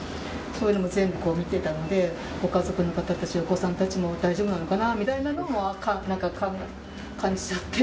そういうのも全部見てたのでご家族の方たちお子さんたちも大丈夫なのかなみたいなのも感じちゃって。